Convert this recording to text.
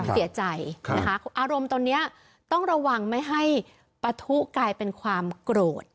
เสียใจนะคะอารมณ์ตอนนี้ต้องระวังไม่ให้ปะทุกลายเป็นความโกรธ